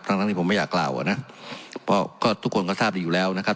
ทั้งทั้งที่ผมไม่อยากกล่าวอ่ะนะเพราะก็ทุกคนก็ทราบดีอยู่แล้วนะครับ